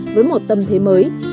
với một tầm thế mới